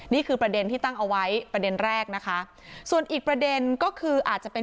นี่คือประเด็นที่ตั้งเอาไว้ประเด็นแรกนะคะส่วนอีกประเด็นก็คืออาจจะเป็น